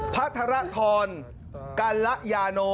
พระธรทรกัลละยาโน